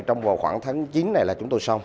trong vào khoảng tháng chín này là chúng tôi xong